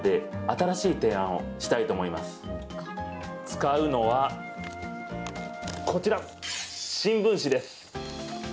使うのはこちら新聞紙です。